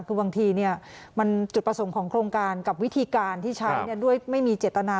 คือบางทีมันจุดประสงค์ของโครงการกับวิธีการที่ใช้ด้วยไม่มีเจตนา